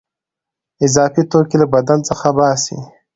اضافي توکي له بدن څخه باسي.